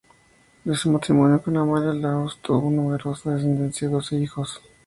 De su matrimonio con Amalia Laos tuvo numerosa descendencia; doce hijos.